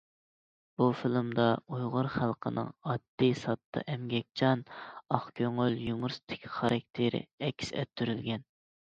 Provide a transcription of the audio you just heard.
بۇ فىلىمدا ئۇيغۇر خەلقنىڭ ئاددىي- ساددا، ئەمگەكچان، ئاق كۆڭۈل، يۇمۇرىستىك خاراكتېرى ئەكس ئەتتۈرۈلگەن.